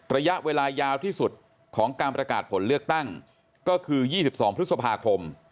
ระยะเวลายาวที่สุดของการประกาศผลเลือกตั้งก็คือ๒๒พฤษภาคม